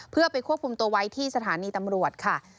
เพื่อไปควบคุมตัวไว้ที่สถานีตำรวจค่ะ